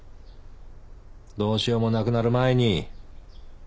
どうしようもなくなる前に。